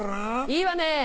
いいわね。